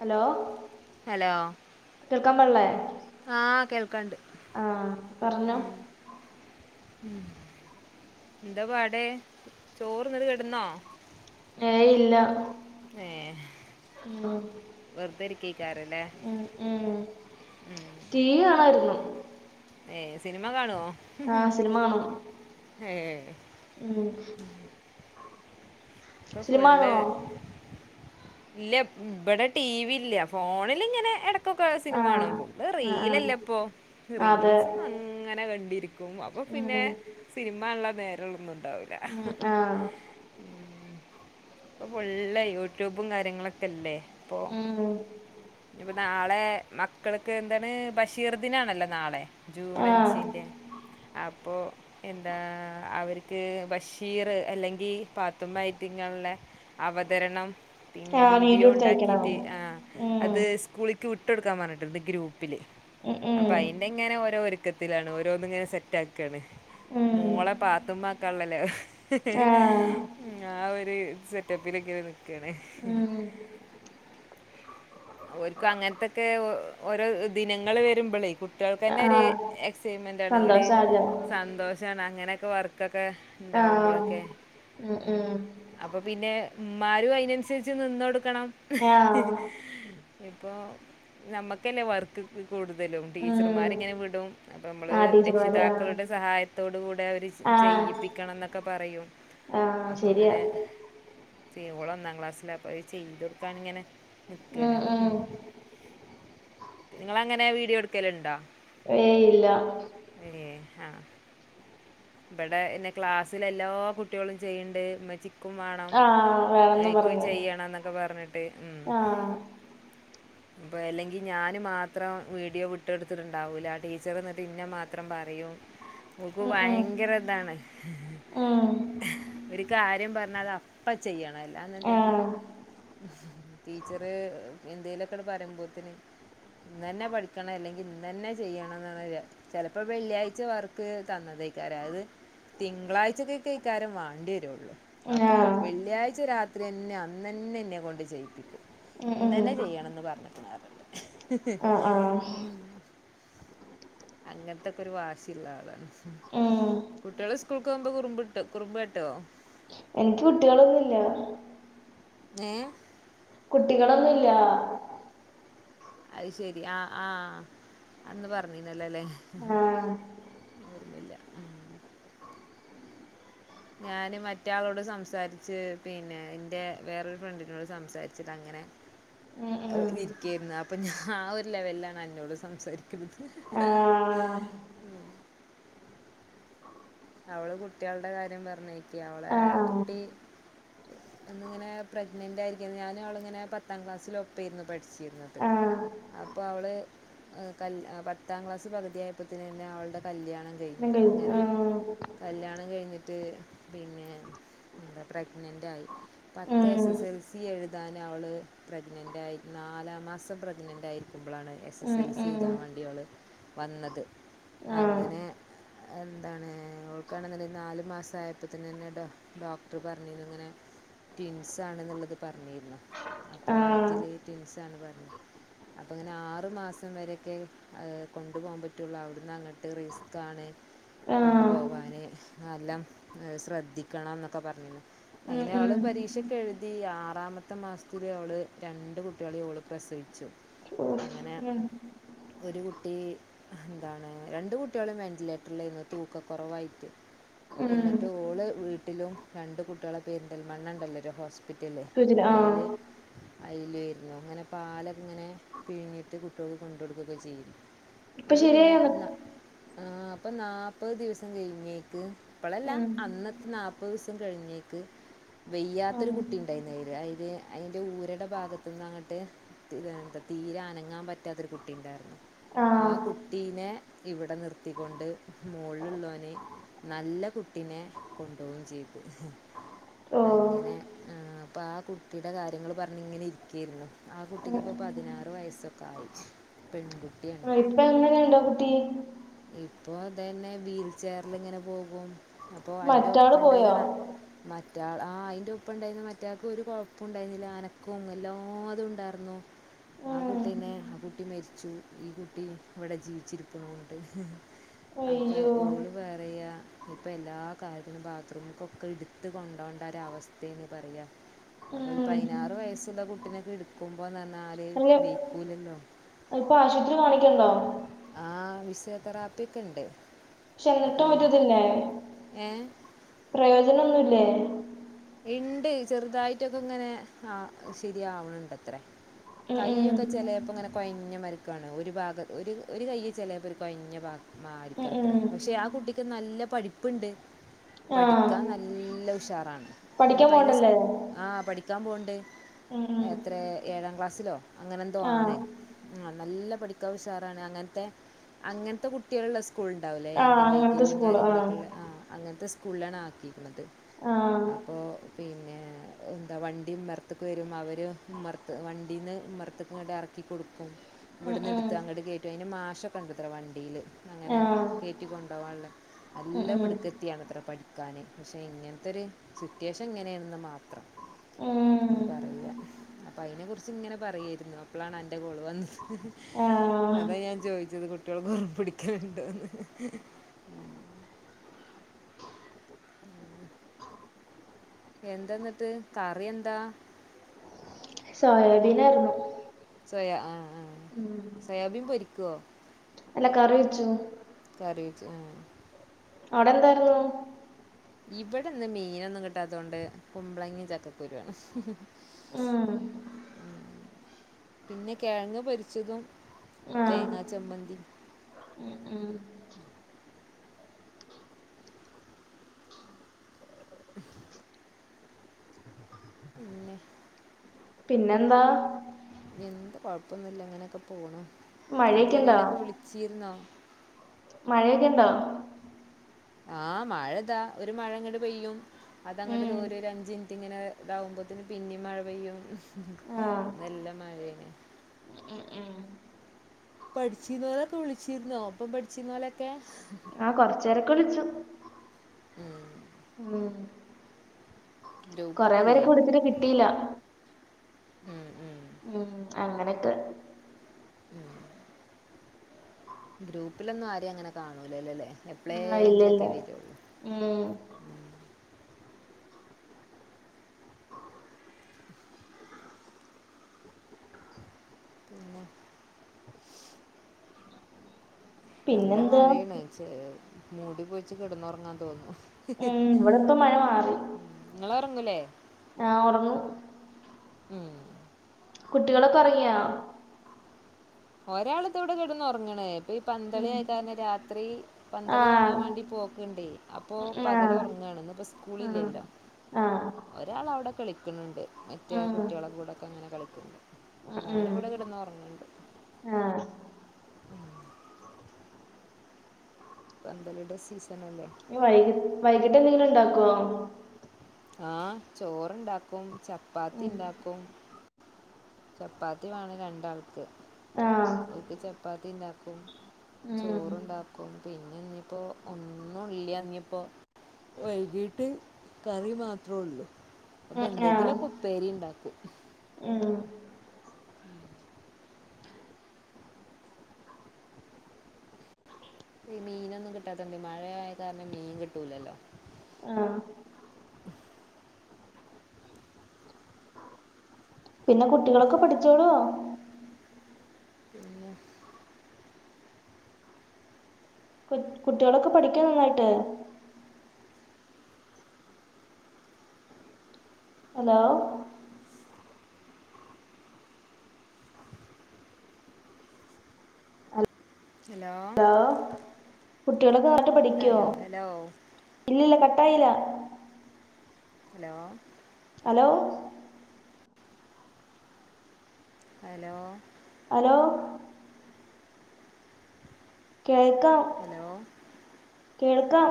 Hello, hello, കേൾക്കാൻ പാട്ള്ളേ. ആഹ് കേൾക്കാണ്ട് പറഞ്ഞോ ഉം ഉം എന്താ പാട് ചോറ്ന്നത് കെട്ന്നോ ഏയ് ഇല്ല. ഏഹ് ഉം വെറുതെരിക്കക്കാരല്ലേ. ഉം ഉം ടീവികാണായിരുന്നു. ഏ സിനിമ കാണോ? ആഹ് സിനിമ കാണും ഉം പ്പൊ സിനിമ ഫുള്ള്. കാണുവോ ഇല്ല ബടെ ടിവി ഇല്ല ഫോണിൽ ഇങ്ങനെ എട ഇപ്പൊക്കെ ആഹ് സിനിമകാണും ആഹ് ആഹ് റീലല്ല ഇപ്പൊ അതെ റീൽസ് അങ്ങനെ കണ്ടിരിക്കും അപ്പൊ ഉം പിന്നെ സിനിമ കാണാനുള്ള നേരോന്നുണ്ടാവുല്ല. ഉം ആഹ് ഇപ്പൊ ഫുള്ള് യൂട്യൂബും കാര്യങ്ങളൊക്കെല്ലേ ഇപ്പൊ. ഉം ഇനിപ്പൊ നാളെ മക്കൾക്ക് എന്താണ് ബഷീർദിനാണല്ലോ നാളെ. ജൂൺ ആഹ് അഞ്ചിൻ്റെ അപ്പോ എന്താ അവർക്ക് ബഷീർ അല്ലെങ്കി പാത്തുമ്മാ ഐറ്റങ്ങളുള്ള. അവതരണം പിന്നെ ആഹ് വീഡിയോ എടുത്ത് അയക്കണോ ഇണ്ടാക്കിട്ട് ആഹ് ഉം അത് സ്കൂളിക്ക് വിട്ടൊടുക്കാൻ പറഞ്ഞിട്ട്ണ്ട് ഗ്രൂപ്പില് ഉം അപ്പ ഉം അയിന്. ഇങ്ങനെ ഓരോ ഒരുക്കത്തിലാണ് ഓരോന്ന് ഇങ്ങനെ സെറ്റ് ആക്കാണ് ഉം മോളെ പാത്തുമ്മ കള്ളല ആഹ് ആഹ് ഒരു സെറ്റപ്പിലൊക്കെ നിക്കാണ്. ഉം ഓൽക്ക് അങ്ങനത്തൊക്കെ ഓരോ ദിനങ്ങൾ വരുമ്പോളേ കു കുട്ടിയാൾക്ക് തന്നെ ഒരു ആഹ് എക്സൈറ്റ്മെന്റണ് ഒരു. സന്തോഷായല്ലോ സന്തോഷണ് അങ്ങനക്കെ വർക്കൊക്കെ ആഹ് ഇണ്ടാവുമ്പോഴൊക്കെ. ഉം ഉം. അപ്പൊ പിന്നെ ഇമ്മാരും അതിനനുസരിച്ച് നിന്നൊടുക്കണം. ആഹ് ഇപ്പോ നമുക്കന്നെ വർക്ക് കൂടുതലും ഉം ടീച്ചർമാർങ്ങനെ വിടും. അപ്പം മ്മള് ആഹ് ടീച്ചർമാര് ആഹ് രക്ഷിതാക്കളുടെ സഹായത്തോടു കൂടെ അവർ ആഹ് ചെയ്യിപ്പിക്കണം ന്നൊക്കെ പറയും. ആഹ്. അപ്പ ശരിയാ ഇങ്ങനെ ചെയ് ഓള് ഒന്നാം ക്ലാസ്സില അപ്പ അത് ചെയ്തൊടുക്കാനിങ്ങനെ. നിക്കണ് ഉം നിങ്ങൾ അങ്ങനെ വീഡിയോ എടുക്കൽ ഇണ്ടോ? ഏയ് ഇല്ല. എഹ് ആഹ് ഇവിടെ പിന്നെ ക്ലാസ്സിൽ എല്ലാ കുട്ടികളും ചെയ്യണ്ട് ഉമ്മച്ചി ക്കും വേണം ആഹ് വേണംന്ന് എക്കും പറഞ്ഞു ചെയ്യണം ന്നൊക്കെ പറഞ്ഞിട്ട് ഉം. ആഹ് പ്പൊ അല്ലെങ്കി ഞാന് മാത്രം വീഡിയോ വിട്ടെടുത്തിട്ടുണ്ടാവൂല ടീച്ചർ എന്നിട്ട് ഇന്ന മാത്രം പറയും. ഓൾക് ഉം ബയ ഉം ഇതാണ് ഉം ഒരു കാര്യം പറഞ്ഞ അത് അപ്പ ചെയ്യണം അല്ല. ഇതാന്നുണ്ടെങ്കി ആഹ് ടീച്ചറ് എന്തേലൊക്കെടെ പറയുമ്പോത്തിന്. ഇന്നന്നെ പഠിക്കണം അല്ലെങ്കി ഇന്നന്നെ ചെയ്യണം ന്ന്ള്ള വിച ചെലപ്പ വെള്ളിയാഴ്ച വർക്ക് തന്നതേ യ്‌ക്കാരം അത് തിങ്കളാഴ്ചക്കക്കെയ്ക്കാരം മാണ്ടെരൊള്ളു അപ്പൊ ആഹ് വെള്ളിയാഴ്ച രാത്രെന്നെ അന്നന്നെ ഇന്നെ കൊണ്ട് ചെയ്യിപ്പിക്കും ഉം ഉം ഇന്നന്നെ ചെയ്യണംന്ന് പറഞ്ഞ്ക്ക്ണ് പറഞ്ഞ്ട്ട് ആഹ് ആഹ് അങ്ങൻത്തൊക്കൊരു വാശിള്ള ആളാണ് ഓ കുട്ട്യാള് സ്കൂൾക്കോമ്പം കുറുമ്പ് ട്ടൊ കുറുമ്പട്ടോ എനിയ്ക്ക് കുട്ടികളൊന്നുല്ല ഏഹ് കുട്ടികളൊന്നുല്ല അയ് ശരി ആഹ് ആഹ് അന്ന് പറഞ്ഞിന്നല്ലോല്ലേ ആഹ് ഞാന് മറ്റാളോട് സംസാരിച്ച് പിന്നെ ഇൻ്റെ വേറൊരു ഫ്രണ്ടിനോട് സംസാരിച്ചിട്ട് അങ്ങനെ ഉം ഉം നിയ്ക്കായിര്ന്നു അപ്പം ഞാൻ ആ ഒരു ലെവലിലാണ് അന്നോട് സംസാരിക്കുന്നത് ആഹ് അവള് കുട്ടേൾടെ കാര്യം പറഞ്ഞേക്ക്യ അവളെ ആഹ് കുട്ടി ഒന്നിങ്ങനെ പ്രഗ്നന്റ് ആയിരിയ്ക്കാണ് ഞാനും അവളിങ്ങനെ പത്താം ക്ലാസ്സിൽ ഒപ്പേയിരുന്നു പഠ്ച്ചീര്ന്നത് ആഹ് അപ്പം അവള് കൽ പത്താം ക്ലാസ്സ് പകുത്യായപ്പൊത്തിനന്നെ അവൾടെ കല്യാണം കയ്ഞ്ഞ് ഉം അങ്ങനെ കല്യാണം കഴിഞ്ഞിട്ട് പിന്നെ എന്ത പ്രഗ്നൻ്റായി പത്ത് ഉം എസ് എസ് എൽ സി എഴുതാൻ അവള് പ്രഗ്നൻ്റായിർന്ന് നാലാം മാസം പ്രഗ്നൻ്റായി ക്കുമ്പളാണ് എസ് എസ് ഉം എൽ സി ഉം എഴുതാൻ വേണ്ടി അവള് വന്നത് ആഹ് അങ്ങനെ എന്താണ് ഓൾക്കാണെന്ന്ണ്ടെ നാല് മാസായപ്പോത്ത്നന്നെ ഡോക്ടറ് പറഞ്ഞിന്നുങ്ങനെ ട്വിൻസ് ആണെന്ന്ള്ളത് പറഞ്ഞീർന്നു ആ അപ്പൊ വയറ്റില് ട്വിൻസാണ് പറഞ്ഞ് അപ്പങ്ങനെ ആറ്മാസം വരെക്കെ അത് കൊണ്ടുപോകാൻ പറ്റൊള്ളു അവിടുന്നങ്ങട്ട് റിസ്ക്കാണ് ആ കൊണ്ടു പോവാന് നല്ലം ശ്രദ്ധിക്കണംന്നൊക്കെ പറഞ്ഞീന്നു ഉം അങ്ങനെ ഉം ഓള് പരീക്ഷക്കെഴുതി ആറാമത്തെ മാസത്തില് അവള് രണ്ട് കുട്ടേളിം ഓള് പ്രസവിച്ചു ഓഫ് അങ്ങനെ ഉം ഒരു കുട്ടി എന്താണ് രണ്ട് കുട്ടേളും വെന്റിലേറ്ററിലേന്നു തൂക്കകൊറവായിട്ട് ഉം എന്നിട്ട് ഓള് വീട്ടിലും രണ്ട് കുട്ടേളെ പേരിന്തൽ മണ്ണണ്ടല്ലൊരു ഹോസ് പ്പിറ്റല് സുജിത ആ അയ്ല് അയ്ലേര്ന്നു അങ്ങനെ പാലങ്ങനെ പിഴിഞ്ഞിട്ട് കുട്ടേൾക്ക് കൊണ്ടോട്കൊക്കെ ചെയ്തു ഇപ്പൊ അയ്ല് പിന്നെ ശരിയായോ ന ആഹ അപ്പം നാല്പ്പത് ദിവസം കഴിഞ്ഞേക്ക് ഇപ്പളല്ല ഉം അന്നത്തെ നാൽപ്പത് ദിവസം കഴിഞ്ഞേക്ക് ഉം വയ്യാത്തൊരു കുട്ടി ഉണ്ടായിന്നു അയ്ല് അയില് അയിൻ്റെ ഊരടെ ഭാഗത്ത്ന്നങ്ങട്ട് എന്താ തീരെ അനങ്ങാൻ പറ്റാത്തൊരു കുട്ടി ഉണ്ടായിരുന്നു ആ കുട്ടീനെ ഇവിടെ നിർത്തിക്കൊണ്ട് മോൾള് ളേളാന് നല്ല കുട്ടിനെ കൊണ്ടോവും ചെയ്തു ഓ അങ്ങനെ ആഹ് അപ്പം ആ കുട്ടിടെ കാര്യങ്ങള് പറഞ്ഞിങ്ങനെ ഇര് യ്ക്കേരുന്നു ആ കുട്ടിക്ക് ഇപ്പൊ പതിനാറ് വയസ്സൊക്കെ ആയി പെൺകുട്ടിയാണ് പ്പണ്ടോ കുട്ടി ഇപ്പൊതന്നെ വീൽചെയറിങ്ങനെ പോകും അപ്പൊ അയിന്റെ മറ്റാള് ഒപ്പണ്ടായിന്ന പോയോ ന മറ്റാള് ആഹ് അയ്ൻ്റെപ്പണ്ടായിന്ന മറ്റാൾക്ക് ഒരു കൊഴപ്പം ഉണ്ടായിരുന്നില്ല അനക്കും എല്ലാതുണ്ടായിരുന്നു ആ ഉം കുട്ടീനെ ആ കുട്ടി മരിച്ചു ഈ കുട്ടി ഇവിടെ ജീവിച്ചിരിക്ക്ണൂണ്ട് അപ്പം അയ്യോ ഓള് പറയാ ഇപ്പം എല്ലാ കാര്യങ്ങളും ബാത്റൂമ്ക്കൊക്കെ ഇട്ത്ത് കൊണ്ടോണ്ട ഒരവസ്ഥേണ് പറയാ അപ്പം ഈ ഉം പതിനാറ് വയസ്സുള്ള കുട്ടിനൊക്കെ ഇട്ക്കുമ്പന്നർഞ്ഞാല് അല്ല വെയ്ക്കൂലല്ലോ ഇപ്പൊ ആശുത്രി കാണിക്കേണ്ടോ ആ ഫിസിയോതെറാപ്പി ഒക്കെണ്ട് പക്ഷെ എന്നിട്ടും ഒര്തില്ലേ ഏ പ്രയോജനൊന്നുല്ലേ? ഇണ്ട് ചെറുതായിട്ടൊക്കെങ്ങനെ ആ ശരിയാവ്ൺണ്ടത്രേ. ഉം ഉം കയ്യൊക്കെ ചെലെ ഇപ്പൊ ഇങ്ങനെ കൊഴഞ്ഞമാരിക്കാണ് ഒരു ഭാഗം ഒര് ഒര് കയ്യ് ചെലേപ്പൊര് കൊയ്ഞ്ഞ ഭാ ഉം ഉം മരിക്കാത്രേ പക്ഷെ ആ കുട്ടിക്ക് നല്ല പഠിപ്പ്ണ്ട്. ആ പഠിക്കാൻ നല്ല ഉഷാറാണ് പഠിക്കാൻ ഇന്ന്ട്ട്പ്പയ്നെ സ് പോണ്ടല്ലേ ആ പഠിക്കാൻ പോവ്ണ്ട്. ഉം എ ഉം എത്രേ ഏഴാം ക്ലാസ്സിലോ അങ്ങനെ എന്തോ ആഹ് ആണ്. ആ നല്ല പഠിക്കാൻ ഉഷാറാണ് അങ്ങൻത്തെ അങ്ങൻത്തെ കുട്ടികൾള്ള സ് കൂൾ ഉണ്ടാവില്ലേ ഈ ആഹ് അങ്ങനത്തെ അങ്കവൈകല്യം സ്കൂള് ആഹ് കാര്യങ്ങളൊക്കെ ഉള്ള ആഹ് അങ്ങൻത്തെ സ്കൂളിലാണ് ആക്കീക്ക്ണത്. ആഹ് ഓ പിന്നെ എന്താ വണ്ടിയും ഇമ്മർത്ത്ക്ക് വരും അവര് ഇമർത്ത് വണ്ടീന്ന് ഇമർത്ത്ക്ക് ഇങ്ങട്ട് എറക്കി കൊടുക്കും ഉം ഇവിട്ന്ന് ഉം ഇട്ത്ത് അങ്ങട്ട് കേറ്റ് ട്ടയ്ന് മാഷെ കണ്ടെത്രേ വണ്ടീല് അങ്ങനെ ആഹ് കേറ്റി കൊണ്ടോവാൻള്ള ഉം നല്ല ഉം മിട്ക്ക ക്കിയാണത്രെ പഠിക്കാന് പക്ഷെ ഇങ്ങൻത്തൊര് സിറ്റുവേഷൻ ഇങ്ങനെയാണെന്ന് മാത്രം. ഉം എന്ന് പറയ അപ്പൊ അയ്നെ കുറിച്ച്ങ്ങനെ പറയായിരുന്നു അപ്പളാണ് അന്റെ കോള് വന്നത്. ആഹ് അതാ ഞാൻ ചോയ്ച്ചത് കുട്ട്യാള് കുറുമ്പുടിക്കലുണ്ടോന്ന് എന്താന്ന്ട്ട് കറി എന്താ സോയാബീനായിരുന്നു സോയാ ആഹ് ആഹ് ഉം സോയാബീൻ പൊരിക്കോ അല്ല കറിവെച്ചു. കറിവെച്ച് ആഹ് അവിടെ എന്തായിരുന്നു ഇവിടെന്ന് മീനൊന്നും കിട്ടാത്തോണ്ട് കുമ്പളങ്ങിം ചക്കക്കുരുവാണ് ഉം പിന്നെ കെഴങ്ങ് പൊരിച്ചതും ആഹ് തേങ്ങാ ചമ്മന്തിം ഉം ഉം [inaudible] പിന്നെ പിന്നെന്താ എന്ത് കൊഴപ്പൊന്നുല്ല ഇങ്ങനൊക്കെ പോണ് മഴയൊക്കെ ആദ്യ ഇണ്ടോ ആരെലൊക്കെ വിളിച്ചിരുന്നോ മഴയൊക്കെണ്ടൊ ആഹ് മഴ ഇതാ ഒരു മഴ ഇങ്ങട്ട് പെയ്യും അതങ്ങട്ട് ഉം തോരും ഒരഞ്ച് മിനിറ്റ് ഇങ്ങനെ ഇതാവുമ്പോത്തിന് പിന്നിം മഴ പെയ്യും ആഹ് നല്ല മഴയാണ് ഉം ഉം പട്ച്ചീര്ന്നോലൊക്കെ വിള്ച്ചിരുന്നോ ഒപ്പം പട്ച്ചീന്നോലൊക്കെ ആഹ് കൊറച്ചേരൊക്കെ വിളിച്ചു ഉം കൊറെ ഗ്രൂപ്പൊക്കെ പേരെക്കെ ഇല്ലേ വിളിച്ചിട്ട് കിട്ടിയില്ല. ഉം അങ്ങനൊക്കെ ഗ്രൂപ്പിലൊന്നും ആരേം അങ്ങനെ കാണൂലല്ലോലെ ആഹ് ഇല്ലല്ല എപ്ളേങ്കിലുക്കെ വരുള്ളൂ. ഉം ഉം നല്ല പിന്നെന്താ മഴേണ് ചെ മൂടി പൊതച്ച് കെടന്നൊറങ്ങാൻ തോന്ന്ന്നു ഉം ഇവിടിപ്പ മഴ മാറി നിങ്ങളുറങ്ങൂലേ ആഹ് ഒറങ്ങും ഉം കുട്ടികളൊക്കെ ഒറങ്ങിയോ ഒരാള് താ ഇവ്ടെ കെട്ന്നൊർങ്ങ്ണ് ഇപ്പൊ ഈ ഉം പന്തളിആയ കാരണം രാത്രി പന്തളി ആഹ് കാണാൻ വേണ്ടി പോക്ക്ണ്ടേ അപ്പോ ഉം ആഹ് പകലൊർങ്ങാണ് ഇന്ന്പ്പോ സ്കൂളില്ലല്ലോ ആഹ് ഒരാൾ അവിടെ കളിക്ക്ണു ണ്ട് മറ്റേ ആ ഉം കുട്ട്യാളെ കൂടൊക്കെങ്ങനെ കളിക്ക്‌ ണ്ട്. ഉം മോന് ഉം വിടെ കെടന്നൊറങ്ണ്ട് ആഹ് പന്തളിടെ സീസണല്ലേ ഞ് വൈകി വൈകിട്ടെ ന്തെങ്കിലും ണ്ടാക്കോ ആഹ് ചോറ് ണ്ടാക്കും ചപ്പാത്തി ഉം ണ്ടാക്കും ചപ്പാത്തി വേണം രണ്ടാൾക്ക് ആഹ് ഓൽക്ക് ചപ്പാത്തി ണ്ടാക്കും ഉം ചോറ്ണ്ടാക്കും പിന്നെ ഞ്പ്പോ ഒന്നുംല്ല ഞ്പ്പോ വൈകീട്ട് കറി മാത്രൊള്ളൂ ഉം ആഹ് അപ്പെന്തെങ്കിലൊ പ്പേരി ണ്ടാക്കും ഉം ഈ മീനൊന്നും കിട്ടാത്തോണ്ടെ മഴയായ കാരണം മീൻ കിട്ടൂലല്ലോ ആഹ് പിന്നെ കുട്ടികളൊക്കെ പഠിച്ചോളുവോ പിന്നെ കുട്ട് കുട്ട്യാളൊക്കെ പഠിക്കൊ നന്നായിട്ട് ഹലോ ഹലോ കുട്ട്യാളൊക്കെ നന്നായിട്ട് പടിക്കോ കട്ടായോ ഹലോ ഇല്ലി ല്ല കട്ടായില്ല ഹലോ ഹലോ ഹലോ ഹലോ കേൾക്കാം ഹലോ കേൾക്കാം